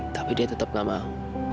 tapi dia tetap gak mau